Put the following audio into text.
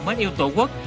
mới yêu tổ quốc